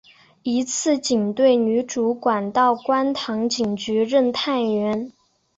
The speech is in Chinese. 一次警队女主管到观塘警局任探员。